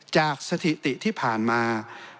สถิติที่ผ่านมา